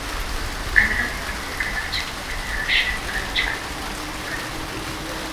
Another significant achievement of Russian culture is music.